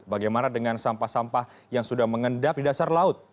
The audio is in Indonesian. bagaimana dengan sampah sampah yang sudah mengendap di dasar laut